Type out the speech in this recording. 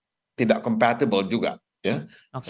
saya tahu bahwa di thailand ada bansos